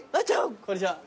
こんにちは。